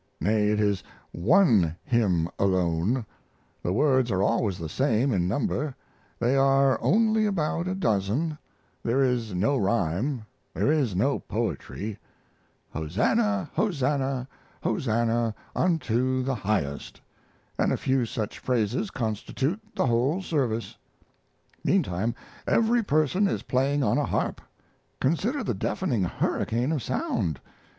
Nay, it is one hymn alone. The words are always the same in number they are only about a dozen there is no rhyme there is no poetry. "Hosanna, hosanna, hosanna unto the highest!" and a few such phrases constitute the whole service. Meantime, every person is playing on a harp! Consider the deafening hurricane of sound.